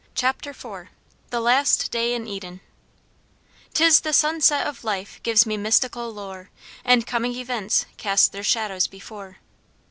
CHAPTER IV The Last Day in Eden "'Tis the sunset of life gives me mystical lore, And coming events cast their shadows before."